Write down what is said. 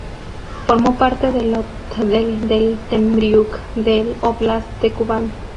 Formó parte del otdel de Temriuk del óblast de Kubán.